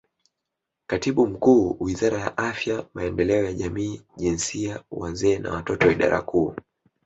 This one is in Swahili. Katibu Mkuu Wizara ya Afya Maendeleo ya Jamii Jinsia Wazee na Watoto Idara Kuu